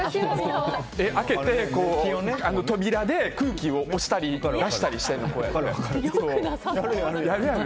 開けて、扉で空気を押したり出したりしてる。